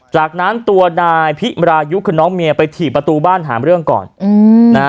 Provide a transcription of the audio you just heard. จากนั้นตัวนายพิมรายุคือน้องเมียไปถี่ประตูบ้านหาเรื่องก่อนอืมนะฮะ